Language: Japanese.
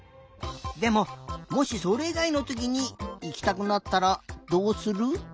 でももしそれいがいのときにいきたくなったらどうする？